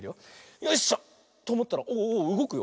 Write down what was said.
よいしょ。とおもったらおおうごくよ。